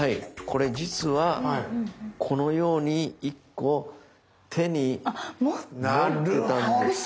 これ実はこのように１個手に持ってたんです。